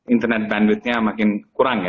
internet bandwidnya makin kurang ya